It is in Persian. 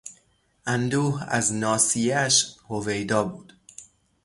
اندوه از ناصیهاش هویدا بود.